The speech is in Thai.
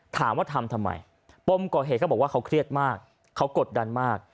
ถามว่าทำทำไมปมก่อเหตุเขาบอกว่าเขาเครียดมากเขากดดันมาก